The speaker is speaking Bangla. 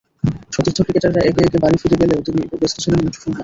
সতীর্থ ক্রিকেটাররা একে একে বাড়ি ফিরে গেলেও তিনি ব্যস্ত ছিলেন মুঠোফোন হাতে।